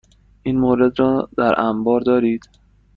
این مورد را در انبار دارید؟